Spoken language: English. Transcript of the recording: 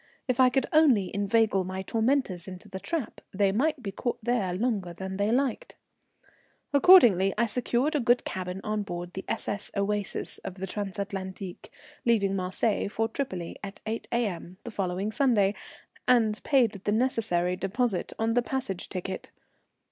If I could only inveigle my tormentors into the trap, they might be caught there longer than they liked. Accordingly, I secured a good cabin on board the S.S. Oasis of the Transatlantique, leaving Marseilles for Tripoli at 8 A.M. the following Sunday, and paid the necessary deposit on the passage ticket.